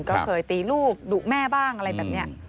ก็เคยตีลูกดุแม่บ้างอะไรแบบนี้